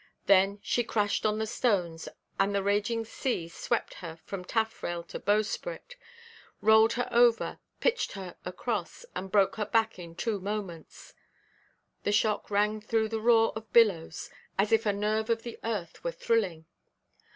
Then she crashed on the stones, and the raging sea swept her from taffrail to bowsprit, rolled her over, pitched her across, and broke her back in two moments. The shock rang through the roar of billows, as if a nerve of the earth were thrilling.